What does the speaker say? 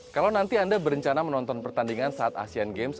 kalau nanti anda berencana menonton pertandingan saat asean games